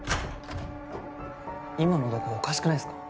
今の男おかしくないすか？